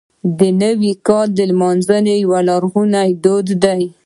د نوي کال لمانځل یو لرغونی دود دی.